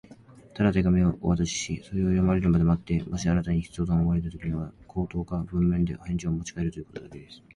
「ただ手紙をお渡しし、それを読まれるまで待って、もしあなたに必要と思われるときには、口頭か文面で返事をもちかえるということだけです」